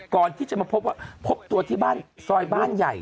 ก่อนที่จะมาพบว่าพบตัวที่บ้านซอยบ้านใหญ่